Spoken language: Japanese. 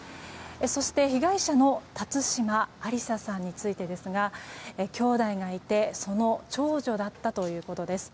そして、被害者の辰島ありささんについてですがきょうだいがいてその長女だったということです。